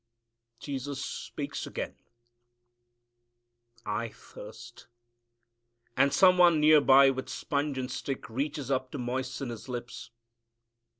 Jesus speaks again "I thirst" and some one near by with sponge and stick reaches up to moisten His lips.